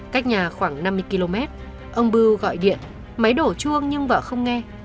cách nhà khoảng năm mươi km ông bưu gọi điện máy đổ chuông nhưng vợ không nghe